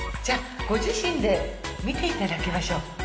じゃあご自身で見ていただきましょう。